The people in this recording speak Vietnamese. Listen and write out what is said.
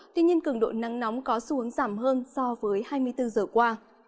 tuy nhiên cường độ nắng nóng có xu hướng giảm hơn so với hai mươi bốn giờ qua